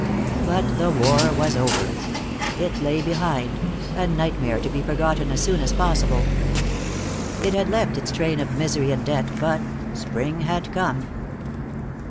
But the war was over. It lay behind, a nightmare to be forgotten as soon as possible. It had left its train of misery and debt, but spring had come.